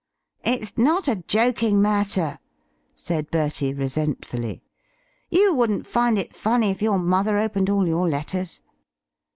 "It's not a joking matter," said Bertie resentfully: "you wouldn't find it funny if your mother opened all your letters."